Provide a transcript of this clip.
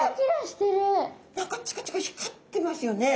何かチカチカ光ってますよね。